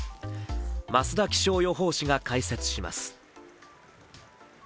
増田気象予報士が解説します。